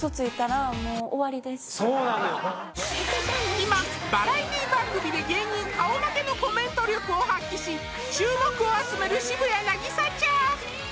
今バラエティ番組で芸人顔負けのコメント力を発揮し注目を集める渋谷凪咲ちゃん